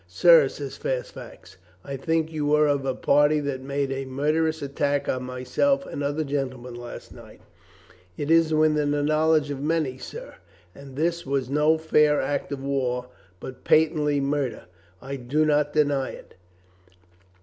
"Sir," says Fairfax, "I think you were of a party that made a murderous attack on myself and other gentlemen last night ?" "It is within the knowledge of many, sir." "And this was no fair act of war, but patently murder?" "I do not deny it."